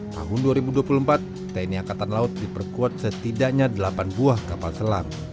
tahun dua ribu dua puluh empat tni angkatan laut diperkuat setidaknya delapan buah kapal selam